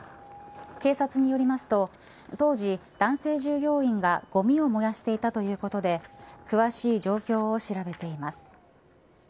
警察によりますと当時、男性従業員がごみを燃やしていたということで詳しい状況を調べています。